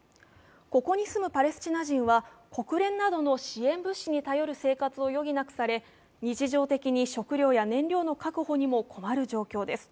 ここに住むパレスチナ人は国連などの支援物資に頼る生活を余儀なくされ日常的に食料や燃料の確保にも困る状況です。